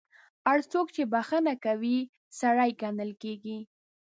هر څوک چې بخښنه کوي، سړی ګڼل کیږي.